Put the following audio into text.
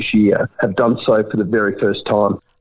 melakukan ini untuk pertama kalinya